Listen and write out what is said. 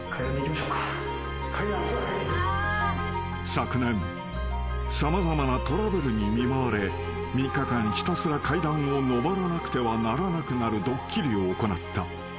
［昨年様々なトラブルに見舞われ３日間ひたすら階段を上らなくてはならなくなるドッキリを行った］